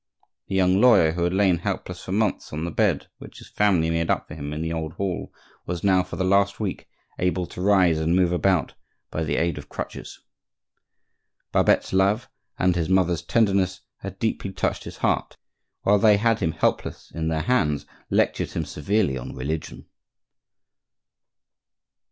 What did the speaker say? The young lawyer, who had lain helpless for months on the bed which his family made up for him in the old hall, was now, for the last week, able to rise and move about by the aid of crutches. Babette's love and his mother's tenderness had deeply touched his heart; and they, while they had him helpless in their hands, lectured him severely on religion.